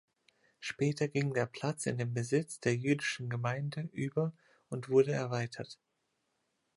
Später ging der Platz in den Besitz der jüdischen Gemeinde über und wurde erweitert.